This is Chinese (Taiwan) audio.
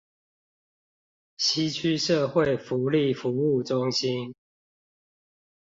西區社會福利服務中心